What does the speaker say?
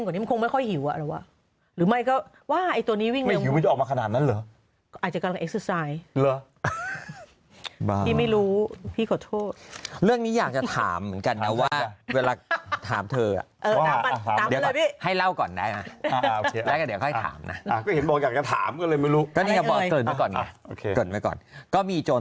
โอเคเกิดไว้ก่อนก็มีโจรสองโจร